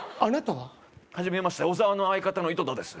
はじめまして小沢の相方の井戸田です